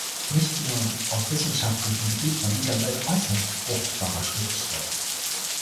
Nicht nur auf wissenschaftlichem Gebiet war Wigand ein äußerst fruchtbarer Schriftsteller.